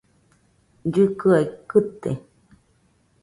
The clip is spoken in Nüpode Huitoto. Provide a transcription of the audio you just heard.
Llɨkɨaɨ kɨte.